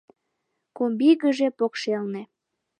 Комбигыже покшелне